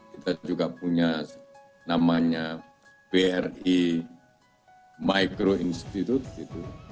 kita juga punya namanya bri microinstitute